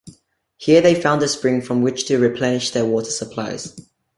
Here they found a spring from which to replenish their water supplies.